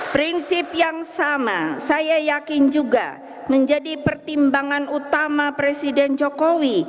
prinsip yang sama saya yakin juga menjadi pertimbangan utama presiden jokowi